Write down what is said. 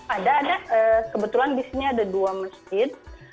ada ada kebetulan di sini ada dua masjid